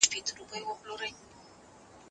څه په هنر ريچې ـ ريچې راته راوبهيدې